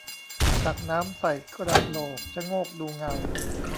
ตักน้ำใส่กระโหลก ชะโงกดูเงา